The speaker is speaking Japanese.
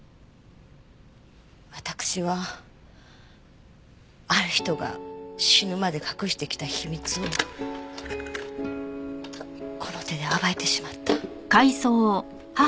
わたくしはある人が死ぬまで隠してきた秘密をこの手で暴いてしまった。